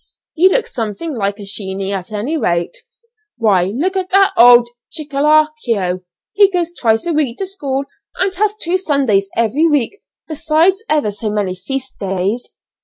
You look something like a sheeney at any rate. Why look at that old 'Chickarlico;' he goes twice a week to school and has two Sundays every week, besides ever so many feast days."